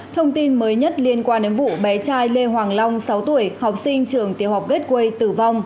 thông tin mới nhất liên quan đến vụ bé trai lê hoàng long sáu tuổi học sinh trường tiểu học gateway tử vong